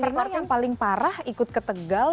pernah yang paling parah ikut ke tegal